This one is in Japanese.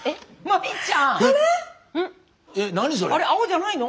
あれ青じゃないの？